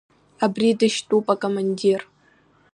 Абри дышьтәуп акомандир.